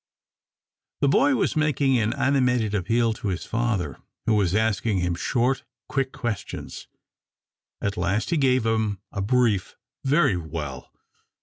The boy was making an animated appeal to his father, who was asking him short, quick questions. At last he gave him a brief, "Very well!"